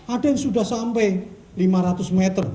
ada yang sudah sampai lima ratus meter